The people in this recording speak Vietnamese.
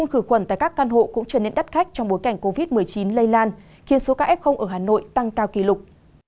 hoàn hộ cũng trở nên đắt khách trong bối cảnh covid một mươi chín lây lan khiến số ca f ở hà nội tăng cao kỷ lục